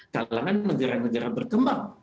karena kan negara negara berkembang